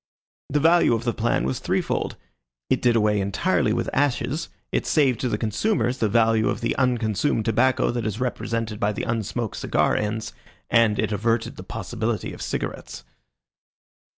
The value of the plan was threefold. It did away entirely with ashes, it saved to the consumers the value of the unconsumed tobacco that is represented by the unsmoked cigar ends, and it averted the possibility of cigarettes.